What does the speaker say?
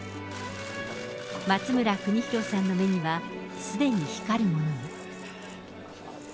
松村邦洋さんの目には、すでに光るものが。